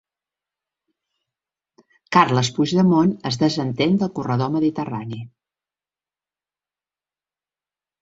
Carles Puigdemont es desentén del corredor mediterrani